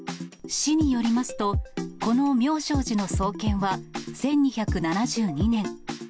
市によりますと、この妙照寺の創建は１２７２年。